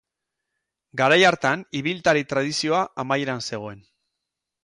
Garai hartan ibiltari tradizioa amaieran zegoen.